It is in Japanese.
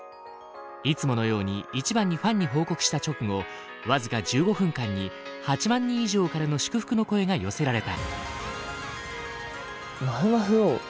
いつものように一番にファンに報告した直後僅か１５分間に８万人以上からの祝福の声が寄せられた。